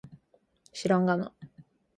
엘레베이터타고싶어요